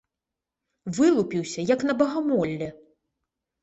Вылупіўся, як на багамолле!